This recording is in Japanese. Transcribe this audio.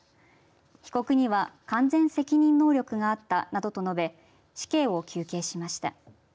被告には完全責任能力があったなどと述べ死刑を求刑しました。